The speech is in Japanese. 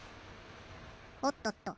おっとっと。